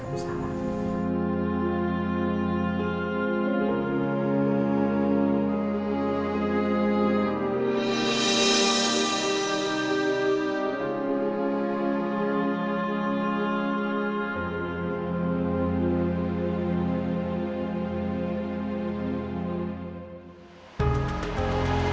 aku gak capek